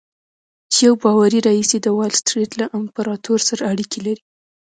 چې يو باوري رييس يې د وال سټريټ له امپراتور سره اړيکې لري.